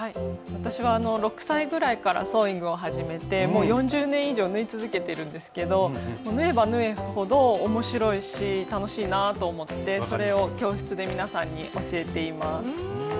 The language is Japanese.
私は６歳ぐらいからソーイングを始めてもう４０年以上縫い続けてるんですけど縫えば縫うほど面白いし楽しいなぁと思ってそれを教室で皆さんに教えています。